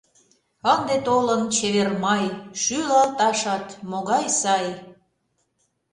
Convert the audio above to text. Ынде толын чевер май, Шӱлалташат могай сай!